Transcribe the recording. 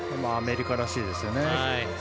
アメリカらしいですね。